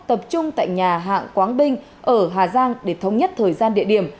tập trung tại nhà hãng quáng binh ở hà giang để thống nhất thời gian địa điểm